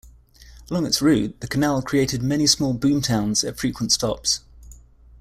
Along its route, the canal created many small boomtowns at frequent stops.